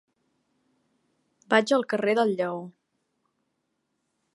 Vaig al carrer del Lleó.